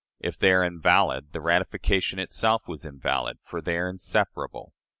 If they are invalid, the ratification itself was invalid, for they are inseparable.